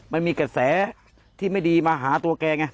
มันมีกระแสที่ไม่ดีมาหาตัวแกไง